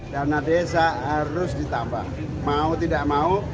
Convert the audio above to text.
dana desa harus ditambah mau tidak mau